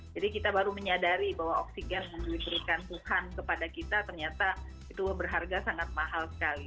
jadi kita baru menyadari bahwa oksigen yang diberikan tuhan kepada kita ternyata itu berharga sangat mahal sekali